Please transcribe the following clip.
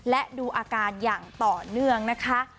และดูอาการอย่างต่อเนื่องนะคะ